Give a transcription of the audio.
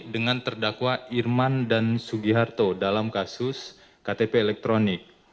dengan terdakwa irman dan sugiharto dalam kasus ktp elektronik